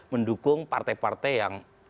mendukung partai partai yang